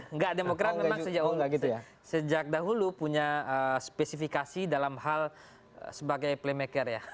enggak demokrat memang sejak dahulu punya spesifikasi dalam hal sebagai playmaker ya